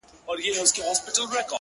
فريادي داده محبت کار په سلگيو نه سي؛